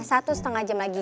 satu setengah jam lagi